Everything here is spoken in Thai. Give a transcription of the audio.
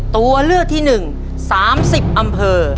ตัวเลือกที่หนึ่งสามสิบอำเภอ